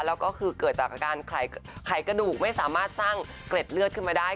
แล้วก็คือเกิดจากอาการไขกระดูกไม่สามารถสร้างเกร็ดเลือดขึ้นมาได้